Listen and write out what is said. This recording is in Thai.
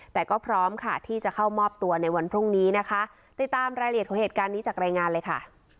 แต่ก็พร้อมค่ะที่จะเข้ามอบตัวในวันพรุ่งนี้นะคะติดตามรายละเอียดของเหตุการณ์นี้จากรายงานเลยค่ะ